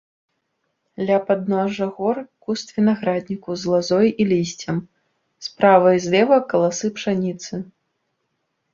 Ля падножжа гор куст вінаградніку з лазой і лісцем, справа і злева каласы пшаніцы.